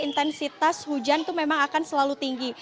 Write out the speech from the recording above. intensitas hujan itu memang akan selalu tinggi